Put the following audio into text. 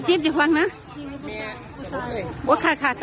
จะควังโอธไง